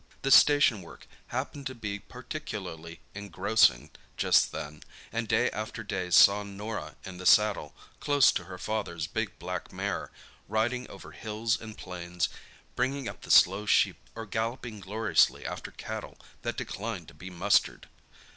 The station work happened to be particularly engrossing just then, and day after day saw Norah in the saddle, close to her father's big black mare, riding over hills and plains, bringing up the slow sheep or galloping gloriously after cattle that declined to be mustered.